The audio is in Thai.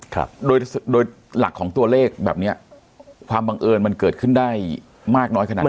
ครับโดยโดยหลักของตัวเลขแบบเนี้ยความบังเอิญมันเกิดขึ้นได้มากน้อยขนาดไหน